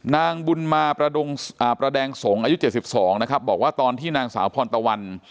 นางบุญมาประแดงสงฆ์อายุ๗๒นะครับบอกว่าตอนที่นางสาวพรตะวัน